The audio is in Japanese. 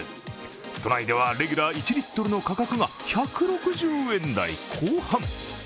都内ではレギュラー１リットルの価格が１６０円台後半。